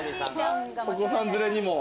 お子さん連れにも。